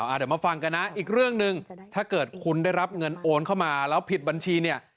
เดี๋ยวมาฟังกันนะอีกเรื่องหนึ่งถ้าเกิดคุณได้รับเงินโอนเข้ามาแล้วผิดบัญชีเนี่ย